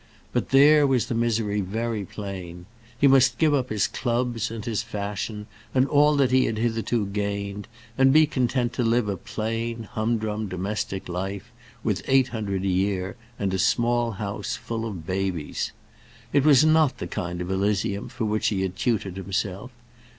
But there was the misery very plain. He must give up his clubs, and his fashion, and all that he had hitherto gained, and be content to live a plain, humdrum, domestic life, with eight hundred a year, and a small house, full of babies. It was not the kind of Elysium for which he had tutored himself.